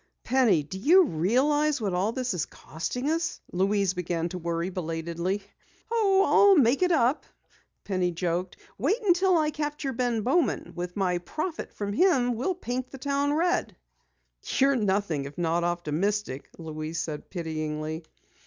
"Penny, do you realize what all this is costing us?" Louise began to worry belatedly. "Oh, I'll soon make it up," Penny joked. "Wait until I capture Ben Bowman! With my profit from him we'll paint the town red!" "You're nothing if not optimistic," Louise said pityingly.